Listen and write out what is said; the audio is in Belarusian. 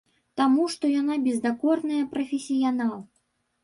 Таму што яна бездакорная прафесіянал.